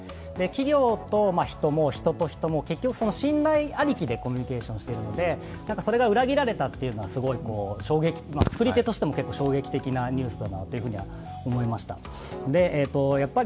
企業と人も、人と人も結局信頼ありきでコミュニケーションしているのでそれが裏切られたというのは作り手としても衝撃的なニュースだなと思いました。